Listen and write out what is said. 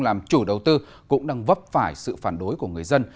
làm chủ đầu tư cũng đang vấp phải sự phản đối của người dân